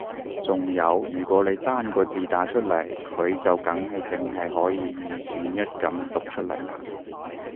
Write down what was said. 仲有如果你單個字打出嚟佢就梗係淨係可以二選一噉讀出嚟啦